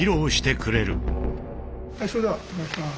はいそれではお願いします。